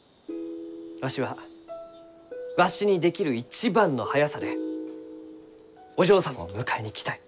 わしはわしにできる一番の速さでお嬢様を迎えに来たい。